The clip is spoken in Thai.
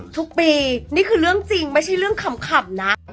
ทุกปีนี่คือเรื่องจริงไม่ใช่เรื่องขำนะ